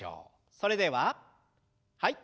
それでははい。